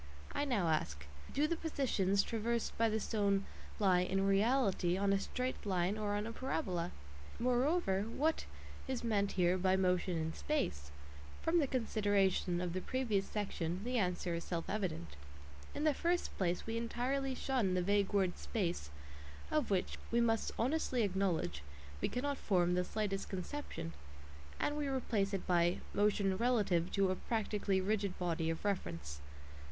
I now ask: Do the "positions" traversed by the stone lie "in reality" on a straight line or on a parabola? Moreover, what is meant here by motion "in space" ? From the considerations of the previous section the answer is self evident. In the first place we entirely shun the vague word "space," of which, we must honestly acknowledge, we cannot form the slightest conception, and we replace it by "motion relative to a practically rigid body of reference."